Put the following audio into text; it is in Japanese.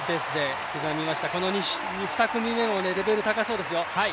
２組目もレベル高そうですよ。